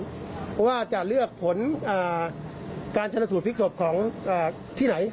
เพราะว่าจะเลือกผลการชนสูตรพลิกศพของที่ไหน